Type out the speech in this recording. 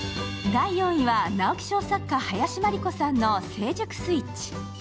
直木賞作家・林真理子さんの「成熟スイッチ」。